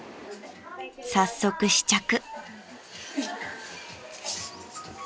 ［早速試着］